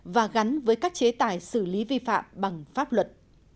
và gắn với các chế tài xử lý vi phạm bằng pháp luật